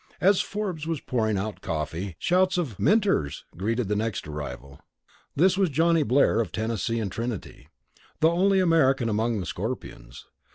As Forbes was pouring out the coffee loud shouts of "Minters!" greeted the next arrival. This was Johnny Blair of Tennessee and Trinity, the only American among the Scorpions.